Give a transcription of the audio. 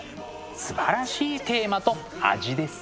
すばらしいテーマと味です。